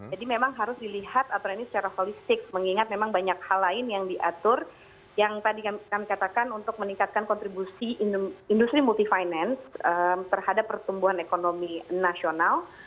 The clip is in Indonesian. jadi memang harus dilihat aturan ini secara holistik mengingat memang banyak hal lain yang diatur yang tadi kami katakan untuk meningkatkan kontribusi industri multifinance terhadap pertumbuhan ekonomi nasional